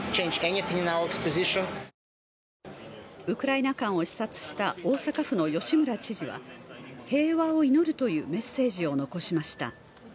ウクライナ館を視察した大阪府の吉村知事は平和を祈るというメッセージを残しました。